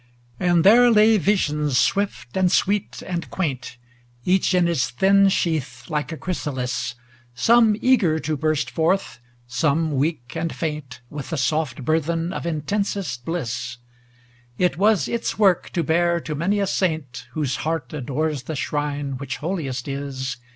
XV And there lay Visions swift, and sweet, and quaint, Each in its thin sheath like a chrysalis; Some eager to burst forth, some weak and faint With the soft burden of intensest bliss It is its work to bear to many a saint Whose heart adores the shrine which holiest is.